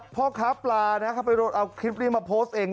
พ่อค้าปลานะเขาไปโดนเอาคลิปนี้มาโพสต์เอง